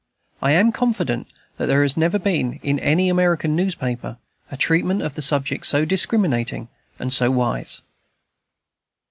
I am confident that there never has been, in any American newspaper, a treatment of the subject so discriminating and so wise.